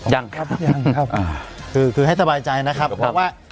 ยังครับยังครับคือให้สบายใจนะครับเพราะว่า